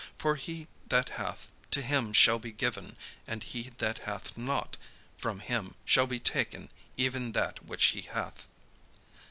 For he that hath, to him shall be given: and he that hath not, from him shall be taken even that which he hath."